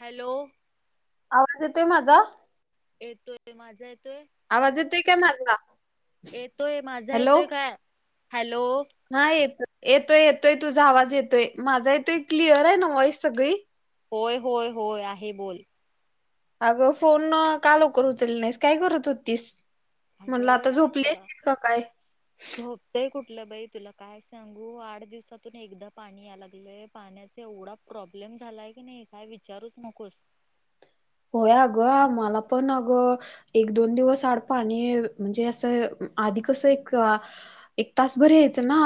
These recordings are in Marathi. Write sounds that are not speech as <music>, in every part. हॅलो आवाज येतोय माझा येतोय माझा येतोय. आवाज येतोय काय माझा. येतोय माझा हॅलो येतोय काय हॅलो. हा येतोय येतोय येतोय तुझा आवाज येतोय माझा येतोय क्लिअर आहे ना वॉइस सगळी. होय होय होय आहे बोल. अगं फोन का लवकर उचलली नाहीस काय करत होतीस म्हणलं आता अगं झोपली असल की काय झोपतोय कुठलं बाई तुला काय सांगू आठ दिवसातून एकदा पाणी याय लागलंय पाण्याचा एवढा प्रॉब्लेम झालाय की नाही काय विचारूच नकोस होय अगं आम्हाला पण अगं एक-दोन दिवस आडपा आणि म्हणजे असं आधी कसं एक. एक तास बरी यायचं ना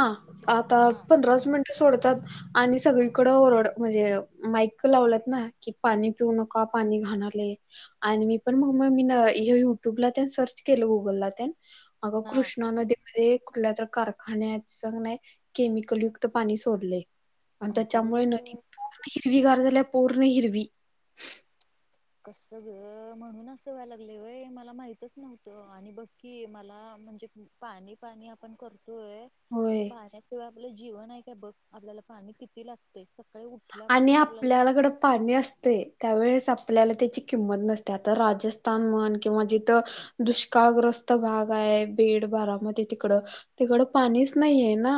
आता हा पंधराच मिनिटं सोडतात. आणि सगळीकड ओरड म्हणजे मायक लावलात ना की पाणी पिऊ नकाो आपण. पाणी घालणे. आणि मी पण मग मग मी हे युट्यूबला त्या सर्च केलं गुगलला त्या. अगं हा कृष्णा नदीमध्ये कुठल्या तर. कारखान्या नाही केमिकल युक्त पाणी सोडले आणि त्याच्यामुळे नदी. अगं पर्ण हिरवी घार झाल्या पौर्ण हिरवी. कस ग म्हणूनच व्हायला लागले वय मला माहितच नव्हतं आणि बघ. कि मला म्हणजे पाणी पाणी आपण करतोय. पण होय पाण्याशिवाय आपलं जीवन आहे काय बघ आपल्याला पाणी किती लागते सकाळीठ. आणि आपल्यालाकडं पाणी असते. त्यावेळेस आपल्याला त्याची किंमत नसते आता राजस्थान म्हण किंवा जिथं. दुष्काळग्रस्त भाग आहे बेड बारामध्ये तिकड. तिकडं पाणीच नाहीये ना.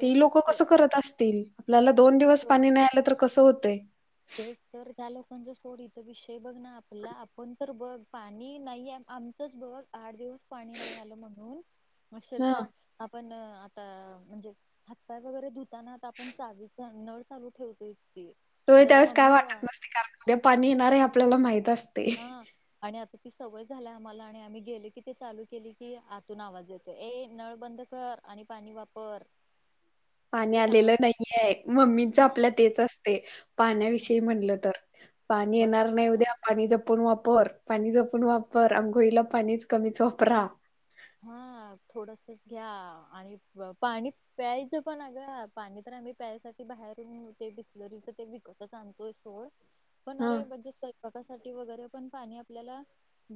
ते लोक तो कस करत असतील आपल्याला दोन दिवस तो पाणी नाही आलं तर कसं होतय. तर त्या लोकांचा सोडी तर विषय बघ ना आपल्याला आपण. तर बघ पाणी नाही आमचंच बघ आठ दिवस. पाणी नाही आलं म्हणून ह अक्षरशः आपण आता म्हणजे. हातपाय वगैरे धुताना आता आपण चाग नळ चालू ठेवतो इतकीे. तु्ही त्यावेळेस काय वाटत नसते कारण उद्या पाणी येणार हे आपल्याला माहत असतं. हा. आणि आता ती सवय झाल्या आम्हाला आणि आम्ही गेले की ते चालू केली की आतून आवाज येतो ए नळबंद कर. आणि पाणी वापर. ह. पाणी कसं आलेलं सांग नाहीये मम्मीच हा आपल्या तेच असते पाण्याविषयी म्हटलं तर. पाणी बघ येणार नाही उद्या. पाणी जपून वापर पाणी जपून वापर आंघोळीला पाणीच कमीच वापरा. हा थोडसच घ्या आणि पाणी. प्यायचं पण ग पाणी तर आम्ही प्यायसाठी बाहेरून ते बिसलरीच ते विकतच आणतोय सो. <inaudible> होणार रे मजस्. का वगैरे पण पाणी आपल्याला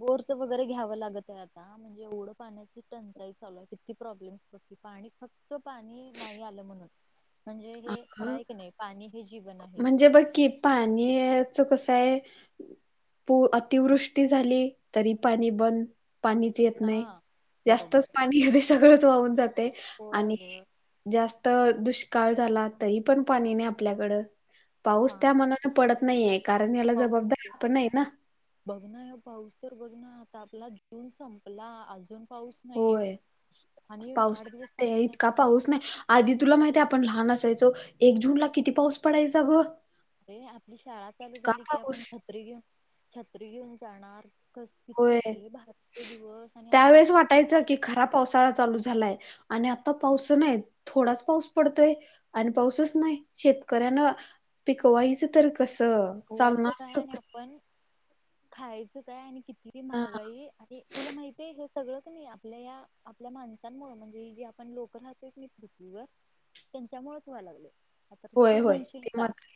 बोर्थ वगैरे घ्यावं लागत आहे आता म्हणजे ओढ. पाण्याची टंचाई चालू तिकी प्रॉब्लेम होती पाणी फक्त पाणी नाही आलं म्हणत. ह. म्हणजे हे खरा आहे की नाही पाणी हे. जीवन आहे म्हणजे बघ की पाण्याच कसं आहे. प अतिवृष्टी झाली तरी पाणी बंद पाणी. येत हा नाही जास्तच बरोबर पाणी सगळंच वाहून जाते होय आणि. अगं जास्त दुष्काळ झाला तरी पण पाणी नाही आपल्याकडं. पाऊस त्या मनान पडत नाहीे कारण याला जबाबदारी पाणी आप आपण आहे ना. बघ ना पाऊस तर बघ ना आता आपला जून संपला अजून पाऊस. नाही होय आणि आठ पावसाचा दिवस ते पाणी नाही. इतका पाऊस नाही आधी तुला माहिती आपण लहान असायचो एक जून ला किती पाऊस पडायचा ग. अरे आपली शाळा चालू इतका झाली की आपण पाऊस छत्री घेऊन छत्री घेऊन जाणार. कस होय कसली भारचे दिवस आणि त्यावेेळेस वाटायचं आताय. की खरा पावसाळा चालू झालाय आणि आता पावस नाही थोडाच पाऊस पडतोय. आणि पाऊसच नाही शेतकऱ्यांना पिकवायच तर. कसं पिकवायच चालणार काय तर आणि आपण. खायचं काय आणि किती कसं महागाई आणि तुला माहती आहे. सगळच नाही आपल्या या आपल्या माणसांमुळे म्हणजे जे आपण लोक राहतच नाही पृथ्वीवर त्यांच्यामुळेच व्हाय लागले आता होय तू होय म्हणशील ते का. मात्र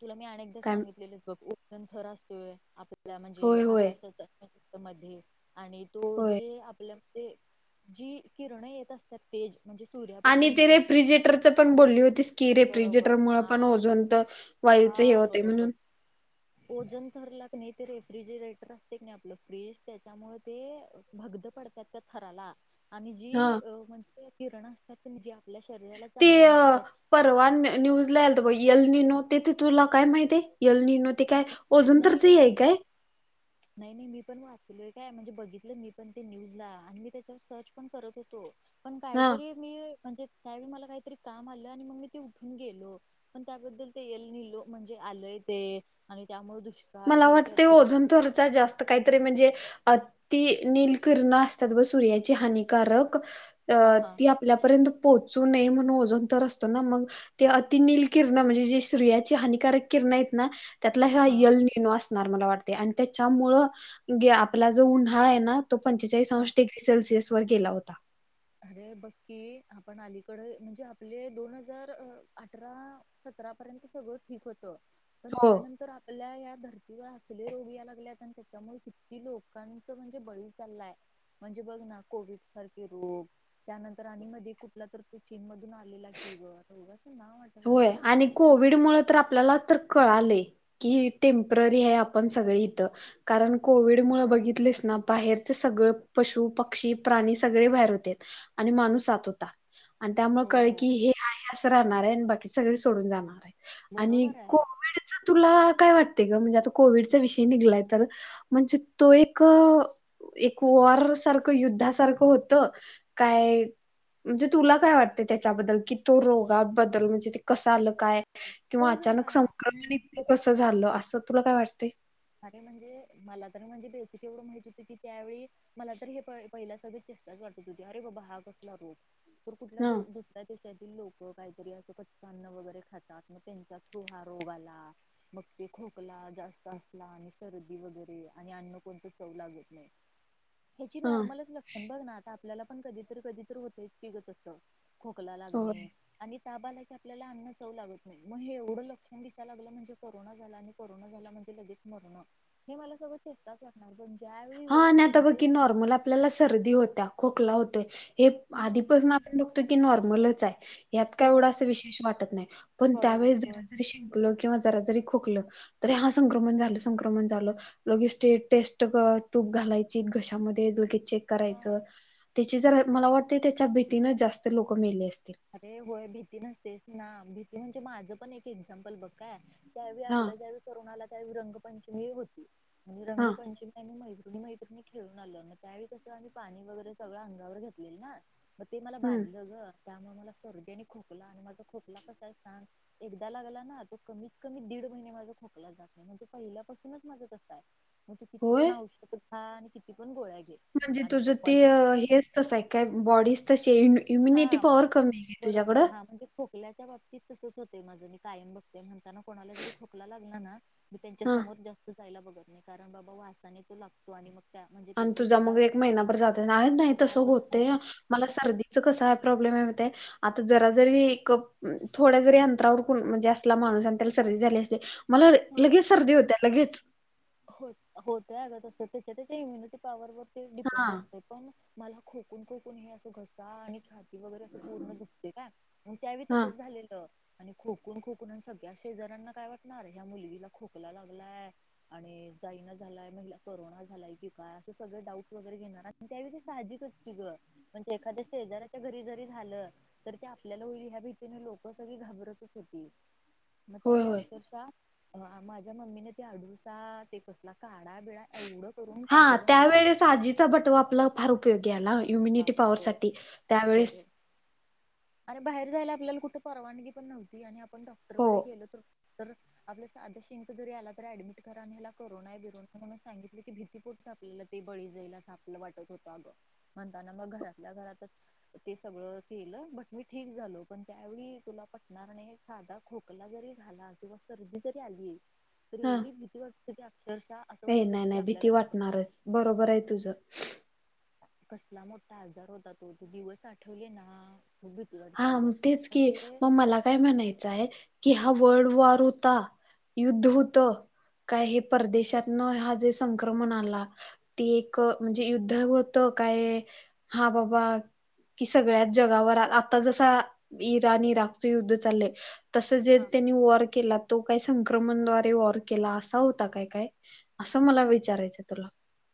तुला मी अनेकदा काय सांगितलेले बघ न र असतोय आपल्याला म्हणजे होय होय आकाशच मध्ये आणि तो होय जे आपल्या ते जी किरण येत असतात. तेज म्हणजे आणि ते सूर्यापासूनची रेफ्रिजरेटरच पण बोलली होतीस की रेफ्रिजरेटर बरोबर मुळ हा पण ओझोन तर हा वायूच हे होते बरोबर. म्हणून ओजन ठरला क नाही ते रेफ्रिजरेटर असते क नाही आपलं फ्रीज त्याच्यामुळे ते. भगद पडतात त्या थराला आणि जी हा म्हणजे किरण असतात ज ते अ परवान न्यूज लाल तर यलनी नो तेथे तुला काय माहिती आहे यलनी नो. ते काय अजून नाही तरच ग आहे मी काय. नाही नाही मी पण वाचलोय काय म्हणजे बघितलं मी पण न्यूजला आणि मी त्याच्यावर सर्च पण करत होतो. पण हा काहीतरी मी म्हणजे त्यावेळी मला काहीतरी काम आलं आणि मग मी ते उठून गेलो. पण त्याबद्दल ते येल नलो म्हणजे आलंय ते आणि त्यामुळे दुष् मला वाटतें ओजन तरच जास्त काहीतरी म्हणजे. अ ति निलकिरण असतात ब सूर्याची हानिकारक अ हा हा ती आपल्यापर्यंत पोहोचू नये म्हणून ओजन तर असतो ना मग. ते अतिनल किरण म्हणजे जे स््रियाची हानिकारक किरण आहेत ना. त्यातला ह हा यल ननो असणार मला वाटते आणि त्याच्यामुळे आपला जो उन्हाळा आहे ना. तो पंचेचाळीस हा अंश डग्री सेल्सिअस व गेला होता. अरे बक्की आपण अलीकडे म्हणजे आपले दोन हजार अठरा सतरापर्यंत सगळं ठीक होतं पण हो त्यानंतर. आपल्या या धर्तीवर असले रोग या लागलेत आणि त्याच्यामुळे कितकी लोकांच म्हणजे बळी चाललाय म्हणजे बघ ना कोविड सारखे रोग. त्यानंतर आणि मध्ये कुठला तर तो चीन मधून आलेला कि ग उघा असं ना वाटत होय आणि कोविड मुळ तर आपल्याला तर कळाले. कि टेम्पररी आहे आपण सगळे इथं. कारण कोविड मुळ बघितलेस ना बाहेरचे सगळं पशु पक्षी प्राणी सगळे बाहेर होते. आणि माणूस आत होता. आणि त्यामुळे कळळे होय की हे आहे असं राहणार आहे आणि बाकी सगळे सोडून जाणार आहे. आणि बरोबर आहे. कोविडच तुला काय वाटते ग म्हणजे आता कोविडचा विषय निघलाय तर. म्हणजे तो एक. एक वॉर सारखं युद्धासारखं होतं काय म्हणजे तुला काय वाटतं त्याच्याबद्दल की तो रोगाबद्दल म्हणजे कसं आलं काय किंवा बघ अचानक ना संक्रम कसं झालं असं तुला काय वाटतय. खरे म्हणजे मला तर म्हणजे बेसिक एवर माहिती होती की त्यावेळी मला तर हे पगचेा कर हो अरे बा हा कस क हा <unintelligible> देशातील लोक काहीतरी असं कच्न्न वगैरे खातात मग त्यांचा थ्रू हा रोग आला. मग ते खोकला जास्त असत. सदी वगैरे आणि अन्न कोणत चव लागत नाही याची हा नॉर्मलच लक्षण बघ ना आता आपल्याला पण कधीतरी कधीतरी होतयच की अस खोकला लागणे. होय आणि ताबाला की आपल्याला अन्न जाऊ लागत नाही मग हे एवढं लक्षण दिसायला लागलं म्हणजे कोरोना झाला आणि कोरोना झाला म्हणजे लगेच मरणं हे मला सगळं चिताच वाटणार पण ज्यावेळी हा वेळ आणि आता बघ म्हणजे की नॉर्मल आपल्याला सर्दी होत्या खोकला होतोय हे हा आधीपासून आपण बघतो की नॉर्मलच आहे. यात काय होय एवढं अस विशेष वाटत नाही पण बरोबर त्यावेळीस होय जरा जरी शिंकल किंवा जरा जरी खोकलं. तरी हा संक्रमण झालं संक्रमण झालं लगेच स्टे टेस्ट कर. तूप घालायची घशामध्ये लगेच चेक हा करायचं. त्याची जर मला वाटते त्याच्या भीतीन जास्त लोक मेले असतील. अरे होय भीती नसतेस ना भीती म्हणजे माझं पण एक एक्झाम्पल बघ काय त्यावेळी हा आपला ज्यावेळी करोना आला त्यावेळी रंगपंचमी होती म्हणजे हा रंगपंचमी. त्यांनी मैत्रिणी मैत्रिणी खेळूंन आलं नां त्यावेळीं तसं आम्हीं पाणी वगैरें सगळं अंगावर घेतलेलं नां मंग ते मला हम्म बाधलं गं त्यामुळें मला सर्दी खोकला आणि माझा खोकला कसां आहे सांन एकदां लागला नां तो कमीत कमी दीड महिने माझा खोकला जातं नाहीं म्हणजे पहिल्यापासूनचं माझं कसं आहे मंग तू किती होय पणं औषधी खा आणि किती पणं गोळ्या घे म्हणजे आणि तुझं मग ते मला हेंच तसं आहे कायं बॉडीस तशी हा इम्युनिटी पॉवर कमी आहे बरोबर तुझ्याकडं हां म्हणजे खोकल्याच्यान बाबतींत तसंच होते माझं मी कायंम बघते म्हणताना कोणाला जरी खोकला लागला नां मी त्यांच्या हा समोरं जास्तं जायला बघंत नाहीं कारणं बाबां वासाने तो लागतो आणि मंग त्यां म्हणजे ते आणि तुझा एखादा मंग एक महिनाभर जातं नाहीं तसं राहतच नाही होतें मंला सर्दीचा कसं आहे प्रॉब्लेम आहेतंय आता जरा जरी कप थोड्यां जरी अंतरावर म्हणजे असलां माणूंस आणि त्यांला सर्दी झाली असली तरी मला लगेचं सर्दी होत्यां लगेचं हो होतंय अगंतस असतं त्यांच्या त्यांच्या इम्युनिटी पॉवर ते हा डिपेंड असतें पणं मला खोकूंन खोकूंन हे असं घसा आणि वगैरें असं पूर्ण दुखते कां मंग त्यावेळीं हा तसंच झालेलं आणि खोकूंन खोकूंन आणि सगळ्यां शेजऱ्यांना कायं वाटणारं ह्या मुलगीलां खोकला लागलांय आणि जाईना झालायं महिला करोनां झालायं की कायं असं सगळें डाऊट वगैरें घेणारं त्यां वेळी ते साहजिक गं म्हणजे एखाद्या शेजाऱ्यांच्या घरी जरी झालं तर ते आपल्याला होईल ह्या भीतीने लोकं सगळीं घाबरतंच होती मंग होय त्यावेळीं होय अक्षरशः माझ्या मम्मीने ते अडूसा ते कसला कांढा बिळां एवढं करूंन हा पाजलं मला त्यावेेळेस आजीचा बटवा आपलां फार उपयोगी आहे नां इम्युनिटी पावर बापरे सांठी बरं त्यांवेळेस आणि बाहेर जायंला आपल्याला कुठे परवानगी पणं नव्हती आणि आपणं हो डॉक्टरांकडे गेलो तरं आपलं साधा शिक जरी आला तरी ऍडमिट करा आणि हयांला कोरोना बिरोना म्हणूंन सांगितलं की भीती कुठे आपल्याला ते बळी जाईला असं आपलं वाटतं होतं अगं म्हणतांना मंग घरातल्यां घरांतचं ते सगळं केलं बट मी ठीक झालो पणं त्यावेळीं तुला पटणार नाहीं सांधा खोकला जरी झालां किंवा सर्दी जरी आली आहे तरी एवढी भीती वाटते अक्षरशः असं हे वाटत नाहीं होते की नाहीं आपल्याला भीती वाटणांरचन बरोबर आहे तुझं कसलां मोठा आजार होता तो ते दिवस आठवले नां मगू भीती वाटते हां अगं तेचं की म्हणजे मंग मलां कायं म्हणायचं आहे कि हां वर्ल्ड वॉर होता की युद्ध होतं कायं हे परदेशांतन हां जे संक्रमण आला ती एक म्हणजे युद्ध होतं कायं हां बाबां की सगळ्यांच जागांवर आता जसां इराण इराकचे युद्ध चाललंय तसं जे हा त्यांनी वॉर केला तो कायं संक्रमणद्वारे वॉर केलां असां होता कायं कायं असं मला विचारायचं तुलां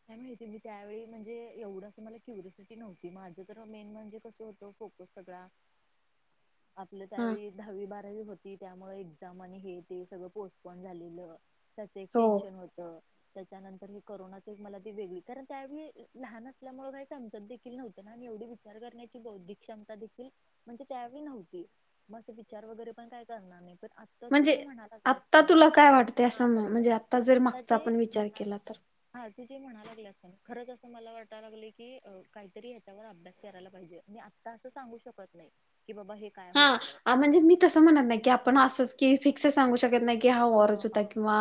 कायं माहिती आहे मी त्यावेळीं म्हणजे एवढं असं मला क्युरिओसिटी नव्हती माझं तरं मेन म्हणजे कसं होतं खोको सगळां ह <unintelligible> आपलं त्यावेळीं दहावी बारावी होती त्यामुळें एक्झांम आणि हे ते सगळं पोस्टपोन झालेलं त्याचं एक हो टेन्शंन होतं त्यांच्यानंतर हे करोनातं मला ती वेगळी कारणं त्यावेळीं लहान असल्यामुळें कांहीं समजतं देखील नव्हते नां आणि एवढी विचार करण्याची बौद्धिक क्षमता म्हणजे त्यावेळीं नव्हते मं विचार वगैरें पणं कायं करणारं नाहीं पणं तू म्हणजे जे म्हणा लागलें आत्ता असतं नाहीं तुला काय वाटते हां असं बरोबर म्हणजे आहे तू जर आता मागचा जे आपण विचार म्हणाला केला तर हां तू जे म्हणायंला लागला असतां नां खरंच असं मला वाटतयं लागलं की कांहीतरी ह्याच्यावर अभ्यांस करांयला पाहिजे आणि त्याचं सांगू शकतं नाहीं की बाबां हे काय होतं हां म्हणजे मी तसं म्हणतं नाहीं की आपणं असंच की फिक्स सांगू शकतं नाहीं कि हां हा वाराच होतां हा किंवा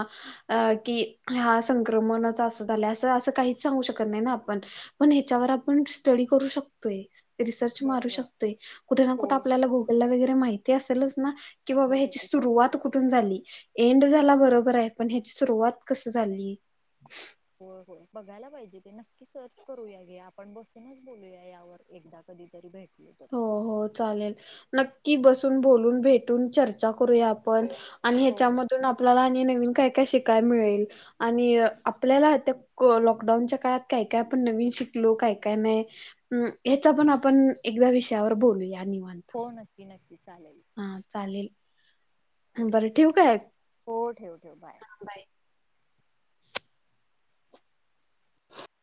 अ की हां संक्रमणच असं झालं असं असं काहींचं सांगू शकतं नाहीं नां आपणं पण ह्याच्यावर आपण स्टडी करू शकतोय रिसर्च मारू बरोबर शकतोय कुठे ना कुठे होय होय वर मा असेलच ना क बा शंभर ह्या टक्के शंभर सुरुवात टक्के कुठं झाली एंड झाला बरोबर आहे पण याची सुरुवात कसं हो हो बघायला पाहिजे ते नक्की सर्च करूया घे आपण बसूनच बोलूया यावर एकदा कधीतरी भेटली तर हो हो चालेल नक्की बसून बोलून भेटून चर्चा करूया आपण आणि हो हो ह्याच्यामधून आपल्याला आणि नवीन काय काय शिकाय मिळेल आणि आपल्याला लॉकडाऊनच्या काळात काय काय आपण नवीन शिकलो काय काय नाही ह्याचा पण आपण एकदा विषयावर बोलूया नि म्हण हो नक्की नक्की चालेल हा हो चालेल बरं ठेवक आहे हो ठेव ठेव बाय ह